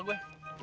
eh udah malem nih